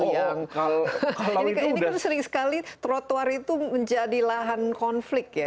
ini kan sering sekali trotoar itu menjadi lahan konflik ya